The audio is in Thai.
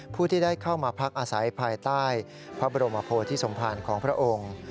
ผู้ที่ได้เข้ามาพักอาศัยภายใต้พระบรมโพธิสมภารของพระองค์